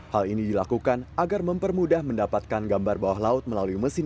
hal ini dilakukan agar mempermudah mendapatkan gambar bawah laut melalui mesin